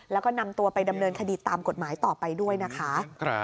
แล้วก็นำตัวไปดำเนินคดีตามกฎหมายต่อไปด้วยนะคะ